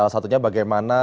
resmi dibuka oleh